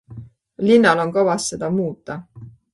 Linnal on kavas seda muuta.